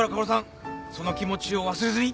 その気持ちを忘れずに。